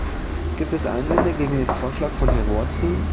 Gibt es Einwände gegen den Vorschlag von Herrn Watson?